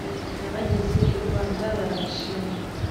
bageze i rwanda barabashima